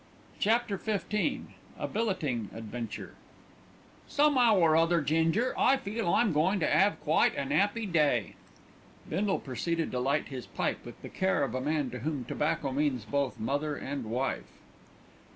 CHAPTER XV A BILLETING ADVENTURE "Some'ow or other, Ginger, I feel I'm goin' to 'ave quite an 'appy day." Bindle proceeded to light his pipe with the care of a man to whom tobacco means both mother and wife.